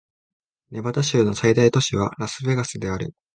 ネバダ州の最大都市はラスベガスである